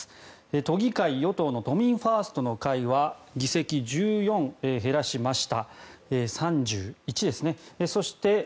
都議会与党の都民ファーストの会は議席、１５減らしました。